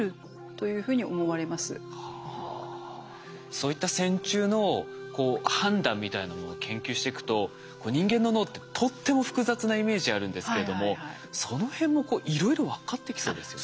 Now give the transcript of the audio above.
そういった線虫の判断みたいなものを研究していくと人間の脳ってとっても複雑なイメージあるんですけれどもそのへんもいろいろ分かってきそうですよね？